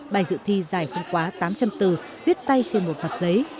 bài dự thi dài không quá tám trăm linh từ viết tay trên một mặt giấy